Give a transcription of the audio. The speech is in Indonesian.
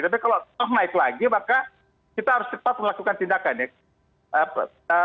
tapi kalau toh naik lagi maka kita harus cepat melakukan tindakan ya